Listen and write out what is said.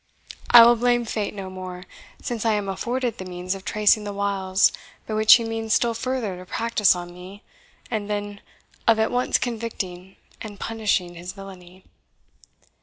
I will blame fate no more, since I am afforded the means of tracing the wiles by which he means still further to practise on me, and then of at once convicting and punishing his villainy.